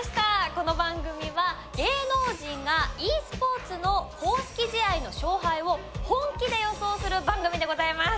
この番組は芸能人がｅスポーツの公式試合の勝敗を本気で予想する番組でございます。